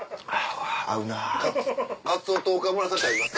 カツオと岡村さんって合います？